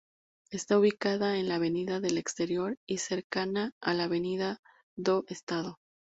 Está ubicada en la Avenida del Exterior y cercana a la Avenida do Estado.